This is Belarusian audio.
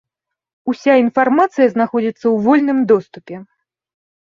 Уся інфармацыя знаходзіцца ў вольным доступе.